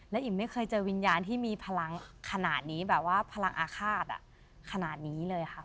และอิ๋มไม่เคยเจอวิญญาณที่มีพลังขนาดนี้แบบว่าพลังอาฆาตขนาดนี้เลยค่ะ